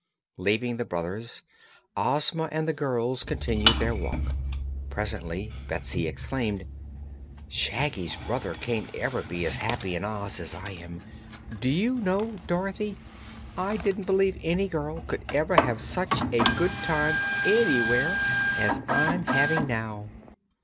Leaving the brothers, Ozma and the girls continued their walk. Presently Betsy exclaimed: "Shaggy's brother can't ever be as happy in Oz as I am. Do you know, Dorothy, I didn't believe any girl could ever have such a good time anywhere as I'm having now?"